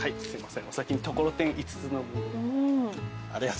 すいません。